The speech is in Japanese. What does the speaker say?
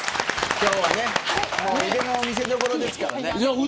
今日は腕の見せどころですからね。